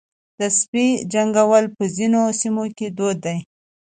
د سپي جنګول په ځینو سیمو کې دود دی.